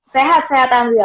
sehat sehatan juga